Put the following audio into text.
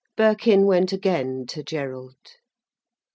Birkin went again to Gerald.